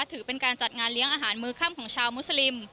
ถือเป็นการจัดงานเลี้ยงอาหารมือค่ำของชาวมุสลิม